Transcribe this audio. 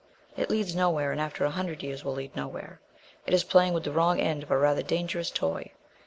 "It leads nowhere, and after a hundred years will lead nowhere. It is playing with the wrong end of a rather dangerous toy.